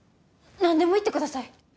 何でも言ってください。